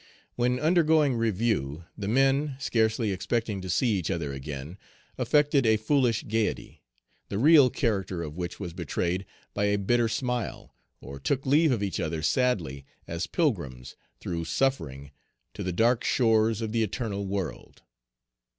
When undergoing review, the men, scarcely expecting to see each other again, affected a foolish gayety, the real character of which was betrayed by a bitter smile, or took leave of each other sadly, as pilgrims, through suffering, to the dark shores of the eternal world.